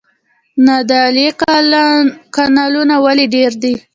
نادعلي کانالونه ولې ډیر دي؟